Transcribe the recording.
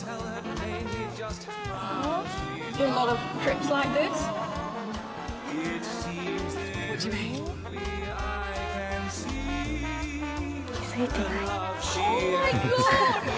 気づいてない。